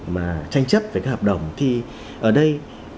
mà tranh chấp về cái hợp đồng thì ở đây